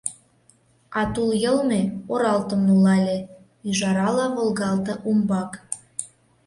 А тулйылме оралтым нулале, ӱжарала волгалте умбак.